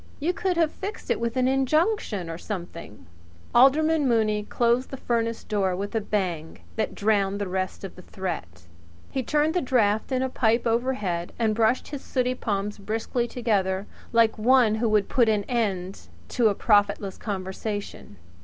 You could have fixed it with an injunction or something. I'm going to get up a petition that's what I'm going " Alderman Mooney closed the furnace door with a bang that drowned the rest of the threat. He turned the draft in a pipe overhead and brushed his sooty palms briskly together like one who would put an end to a profitless conversation.